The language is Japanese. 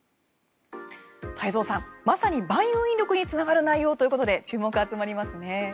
太蔵さん、まさに万有引力につながる内容ということで注目が集まりますね。